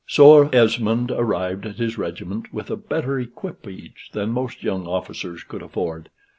So Esmond arrived at his regiment with a better equipage than most young officers could afford.